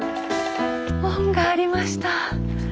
門がありました。